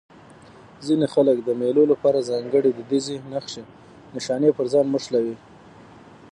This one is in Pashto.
ځيني خلک د مېلو له پاره ځانګړي دودیزې نخښي نښانې پر ځان موښلوي.